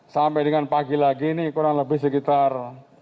sampai dengan pagi lagi ini kurang lebih sekitar